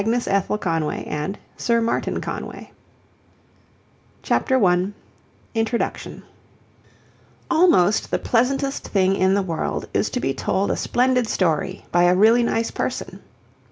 177 THE CHILDREN'S BOOK OF ART CHAPTER I INTRODUCTORY Almost the pleasantest thing in the world is to be told a splendid story by a really nice person.